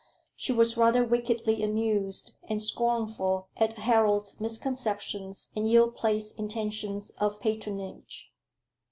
She was rather wickedly amused and scornful at Harold's misconceptions and ill placed intentions of patronage.